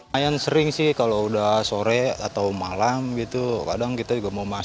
lumayan sering sih kalau udah sore atau malam gitu kadang kita juga mau makan